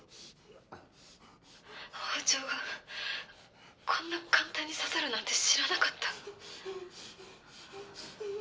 「包丁がこんな簡単に刺さるなんて知らなかった」